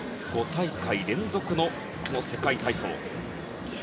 ５大会連続の世界体操。